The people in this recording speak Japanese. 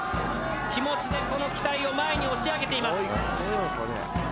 気持ちでこの機体を前に押し上げています。